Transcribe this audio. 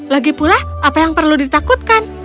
lagi pula apa yang perlu ditakutkan